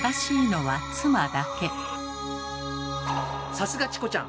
さすがチコちゃん！